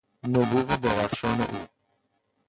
نبوغ درخشان او